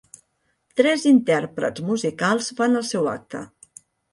Tres intèrprets musicals fan el seu acte.